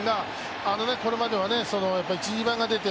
これまでは１・２番が出て